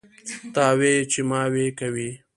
تاوې چې ماوې کوي.